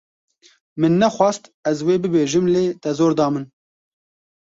Min nexwast ez wê bibêjim lê te zor da min.